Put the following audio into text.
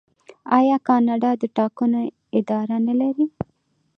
آیا کاناډا د ټاکنو اداره نلري؟